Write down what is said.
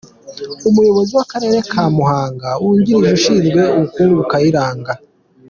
Umuyobozi w’Akarere ka Muhanga wungirije ushinzwe ubukungu Kayiranga .